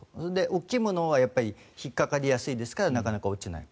大きいものはやっぱり引っかかりやすいですからなかなか落ちない。